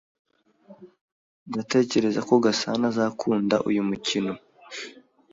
Ndatekereza ko Gasanaazakunda uyu mukino.